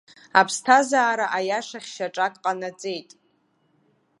Аԥсҭазаара аиашахь шьаҿак ҟанаҵеит.